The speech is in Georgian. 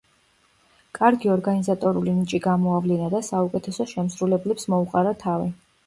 კარგი ორგანიზატორული ნიჭი გამოავლინა და საუკეთესო შემსრულებლებს მოუყარა თავი.